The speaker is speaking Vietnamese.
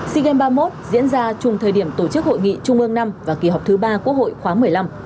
cm ba mươi một diễn ra chung thời điểm tổ chức hội nghị trung ương năm và kỳ họp thứ ba quốc hội khoáng một mươi năm